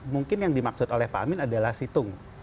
mungkin yang dimaksud oleh pak amin adalah situng